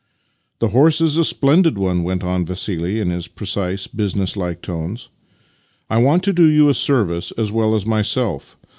" The horse is a splendid one," went on VassiU in his precise, businesslike tones. " I want to do you a service as well as myself.